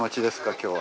今日は。